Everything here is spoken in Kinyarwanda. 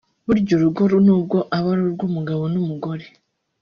Burya urugo nubwo aba ari urw’umugabo n’umugore